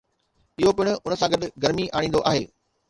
اهو پڻ ان سان گڏ گرمي آڻيندو آهي